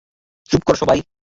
চুপ কর সবাই।